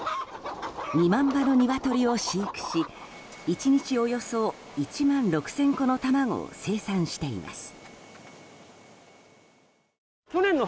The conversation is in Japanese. ２万羽の鶏を飼育し１日およそ１万６０００個の卵を生産しています。